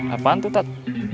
apaan tuh tat